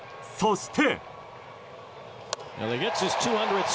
そして。